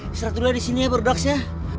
istirahat dulu ya di sini ya berduks ya